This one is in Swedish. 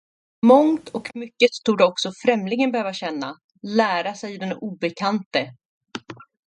Mångt och mycket torde också Främlingen behöva känna, Lära sig den obekante.